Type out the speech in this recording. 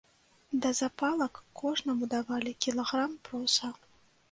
Да запалак кожнаму давалі кілаграм проса.